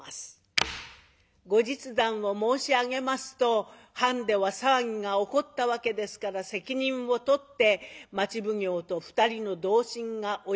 後日談を申し上げますと藩では騒ぎが起こったわけですから責任を取って町奉行と２人の同心がお役御免となりました。